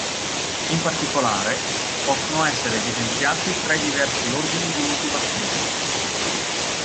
In particolare, possono essere evidenziati tre diversi ordini di motivazioni.